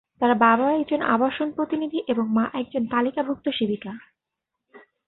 তার বাবা একজন আবাসন প্রতিনিধি, এবং তার মা একজন তালিকাভুক্ত সেবিকা।